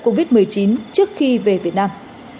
covid một mươi chín trước khi về việt nam